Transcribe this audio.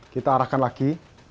kita arahkan lagi